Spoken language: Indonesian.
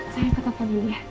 saya kekakuan dulu ya